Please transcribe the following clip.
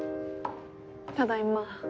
ただいま。